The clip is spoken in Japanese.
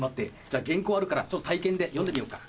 じゃあ原稿あるから体験で読んでみようか。